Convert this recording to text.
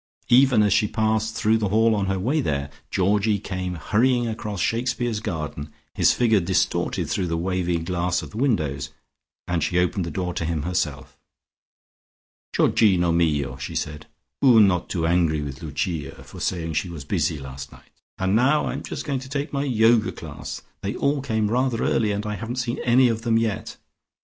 Even as she passed through the hall on her way 'there, Georgie came hurrying across Shakespeare's garden, his figure distorted through the wavy glass of the windows, and she opened the door to him herself. "Georgino mio," she said, "oo not angry with Lucia for saying she was busy last night? And now I'm just going to take my Yoga class. They all came rather early and I haven't seen any of them yet.